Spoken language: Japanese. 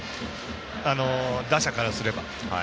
打者からすれば。